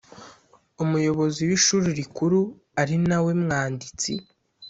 Umuyobozi w Ishuri Rikuru ari nawe mwanditsi